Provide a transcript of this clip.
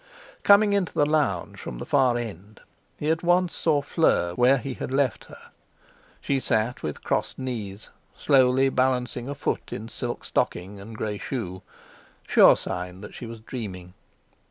Coming into the Lounge from the far end, he at once saw Fleur where he had left her. She sat with crossed knees, slowly balancing a foot in silk stocking and grey shoe, sure sign that she was dreaming.